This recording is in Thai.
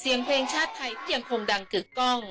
เสียงเพลงชาติไทยยังคงดังกึกก้อง